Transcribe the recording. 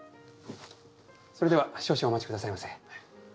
それでは少々お待ち下さいませ。